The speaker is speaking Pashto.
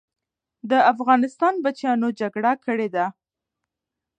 د افغانستان بچیانو جګړه کړې ده.